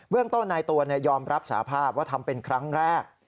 เรื่องต้นนายตัวยอมรับสาภาพว่าทำเป็นครั้งแรก